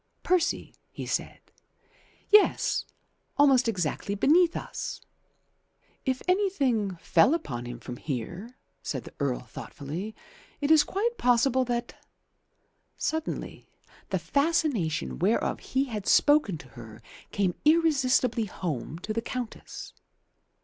"Percy," he said. "Yes. Almost exactly beneath us." "If anything fell upon him from here," said the Earl thoughtfully, "it is quite possible that " Suddenly the fascination whereof he had spoken to her came irresistibly home to the Countess.